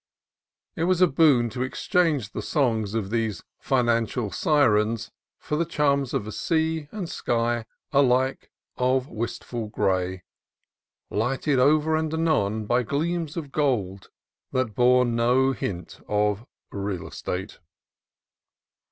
It was a boon to exchange the songs of these financial syrens for the charms of a sea and sky alike of wistful gray, lighted ever and anon by gleams of gold that bore no hint of real estate.